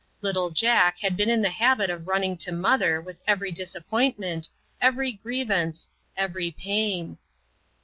Little Jack had been in the habit of running to mother with every disappointment, every grievance, every pain.